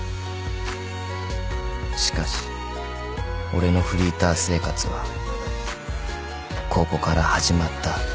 ［しかし俺のフリーター生活はここから始まった］